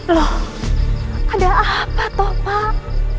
lho ada apa toh pak